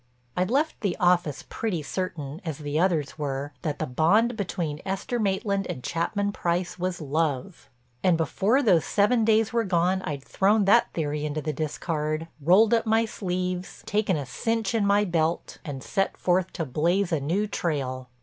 I'd left the office pretty certain, as the others were, that the bond between Esther Maitland and Chapman Price was love, and before those seven days were gone I'd thrown that theory into the discard, rolled up my sleeves, taken a cinch in my belt, and set forth to blaze a new trail.